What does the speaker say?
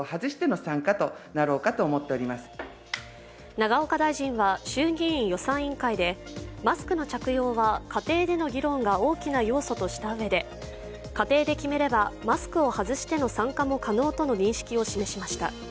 永岡大臣は衆議院予算委員会でマスクの着用は家庭での議論が大きな要素としたうえで家庭で決めれば、マスクを外しての参加も可能との認識を示しました。